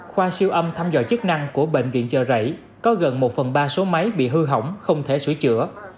khoa siêu âm thăm dò chức năng của bệnh viện chợ rẫy có gần một phần ba số máy bị hư hỏng không thể sửa chữa